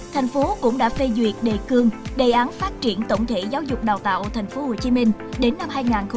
thành phố cũng đã phê duyệt đề cương đề án phát triển tổng thể giáo dục đào tạo thành phố hồ chí minh đến năm hai nghìn ba mươi